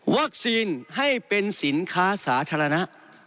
วัคซีนให้เป็นสินค้าสาธารณะ